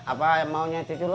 apa yang maunya cucu lu